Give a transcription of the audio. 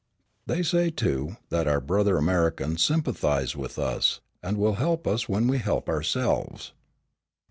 "They say, too, that our brother Americans sympathize with us, and will help us when we help ourselves.